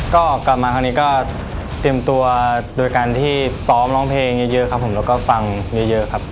ก็กลับมาคราวนี้ก็เตรียมตัวโดยการที่ซ้อมร้องเพลงเยอะครับผมแล้วก็ฟังเยอะครับ